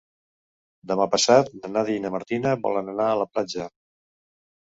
Demà passat na Nàdia i na Martina volen anar a la platja.